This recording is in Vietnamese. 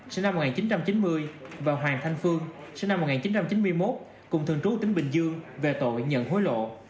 sinh năm một nghìn chín trăm chín mươi và hoàng thanh phương sinh năm một nghìn chín trăm chín mươi một cùng thường trú tỉnh bình dương về tội nhận hối lộ